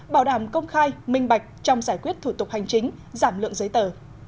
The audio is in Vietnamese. bảo đảm công khai minh bạch trong giải quyết thủ tục hành chính giảm lượng giấy tờ